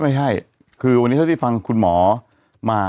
ไม่ใช่คือวันนี้เท่าที่ฟังคุณหมอมา